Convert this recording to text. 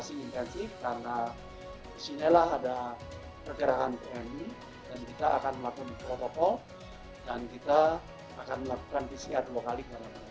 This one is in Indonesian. setelah ada pergerakan tmi kita akan melakukan protokol dan kita akan melakukan pcr dua kali